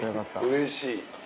うれしい。